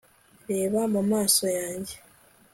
reba mu maso yanjye